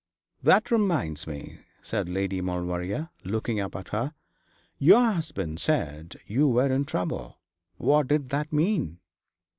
'That reminds me,' said Lady Maulevrier, looking up at her, 'your husband said you were in trouble. What did that mean?'